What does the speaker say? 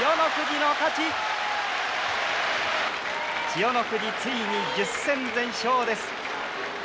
千代の富士ついに１０戦全勝です。